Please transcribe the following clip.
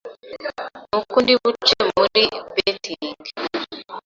ni uko ndi buce muri betting,